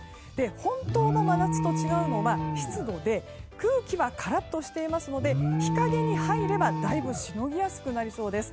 本当の真夏と違うのは湿度で空気はカラッとしていますので日陰に入ればだいぶしのぎやすくなりそうです。